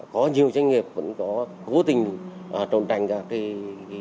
có nhiều doanh nghiệp vẫn có vô tình trốn tránh các cái